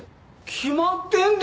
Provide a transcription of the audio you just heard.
決まってんでしょ。